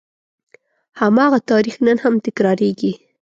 هماغه تاریخ نن هم تکرارېږي.